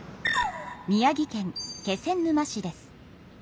宮城県気仙沼市です。